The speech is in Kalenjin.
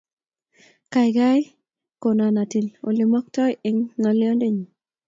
Kaikai konon atil oleamaktoi eng' ng'alyondoni.